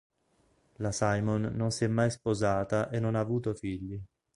La Simon non si è mai sposata e non ha avuto figli.